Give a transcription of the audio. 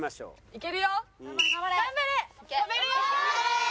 いけるよ！